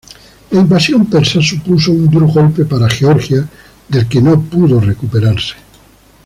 La invasión persa supuso un duro golpe para Georgia del que no pudo recuperarse.